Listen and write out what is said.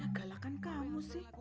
ya galakan kamu sih